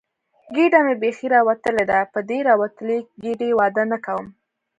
ګېډه مې بیخي راوتلې ده، په دې راوتلې ګېډې واده نه کوم.